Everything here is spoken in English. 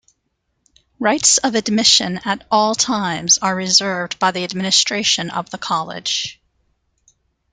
Rights of admission at all times are reserved by the administration of the college.